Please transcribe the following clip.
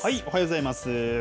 おはようございます。